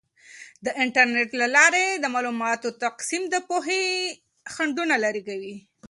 د انټرنیټ له لارې د معلوماتو تقسیم د پوهې خنډونه لرې کوي.